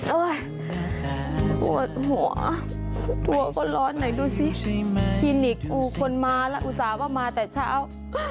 โอ้ยโหดหัวตัวก็ร้อนไหนดูสิคนมาแล้วอุตสาหรับมาแต่เช้า